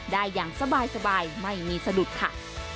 ได้อย่างสบายไม่มีสะดุดค่ะ